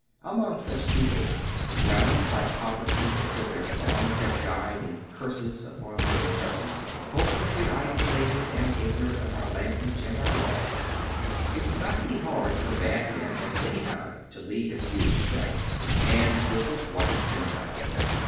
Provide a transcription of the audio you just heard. Among such a people, ground by poverty until their songs have died in curses upon their oppressors, hopelessly isolated and ignorant of our language and our laws, it would not be hard for bad men at any time to lead a few astray. And this is what has been done.